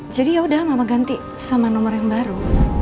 jadi yaudah mama ganti sama nomor yang baru